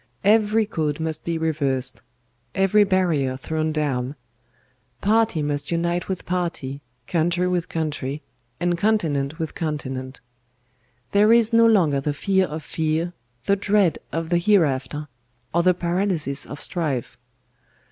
Every code must be reversed; every barrier thrown down; party must unite with party, country with country, and continent with continent. There is no longer the fear of fear, the dread of the hereafter, or the paralysis of strife.